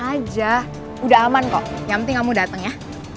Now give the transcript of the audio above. kamu tenang aja udah aman kok yang penting kamu dateng ya